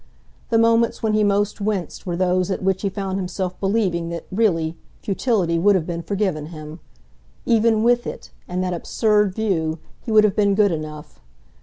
The moments when he most winced were those at which he found himself believing that, really, futility would have been forgiven him. Even WITH it, in that absurd view, he would have been good enough.